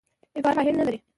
عبارت فاعل نه لري.